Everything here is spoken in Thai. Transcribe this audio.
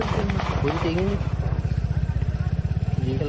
พวกมันต้องกินกัน